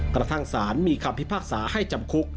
กระทั่งสารมีคำพิพากษาให้จำคุก